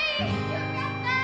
よかった！